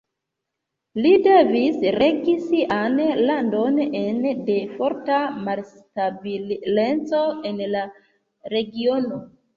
Li devis regi sian landon ene de forta malstabileco en la regiono.